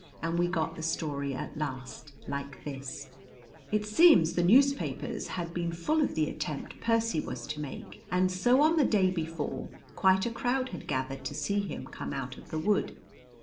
And we got the story at last like this: It seems the newspapers had been full of the attempt Percy was to make, and so on the day before quite a crowd had gathered to see him come out of the wood.